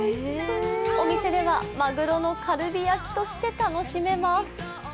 お店では、マグロのカルビ焼きとして楽しめます。